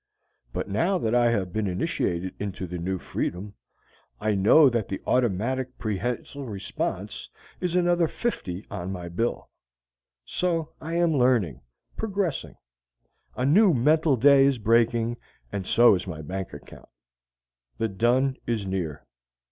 But now that I have been initiated into the New Freedom, I know that the automatic prehensile response is another fifty on my bill. So I am learning, progressing. A new mental day is breaking and so is my bank account. The dun is near.